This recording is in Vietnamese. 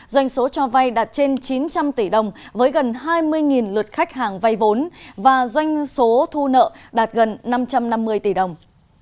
doanh số cho vay đạt trên chín trăm linh tỷ đồng với gần hai mươi lượt khách hàng vay vốn và doanh số thu nợ đạt gần năm trăm năm mươi tỷ đồng